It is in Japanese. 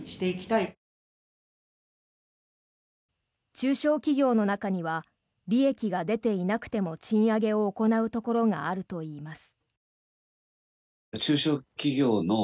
中小企業の中には利益が出ていなくても賃上げを行うところがあるといいます。